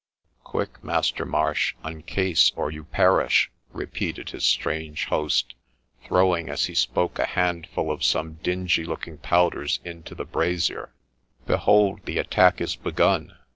' Quick, Master Marsh ! uncase, or you perish !' repeated his strange host, throwing as he spoke a handful of some dingy looking powders into the brasier. ' Behold the attack is begun